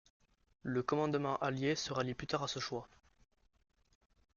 Le commandement allié se rallie plus tard à ce choix.